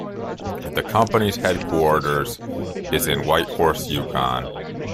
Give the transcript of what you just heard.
The company's headquarters is in Whitehorse, Yukon.